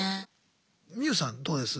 ミユさんどうです？